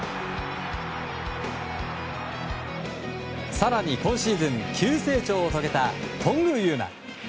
更に、今シーズン急成長を遂げた、頓宮裕真。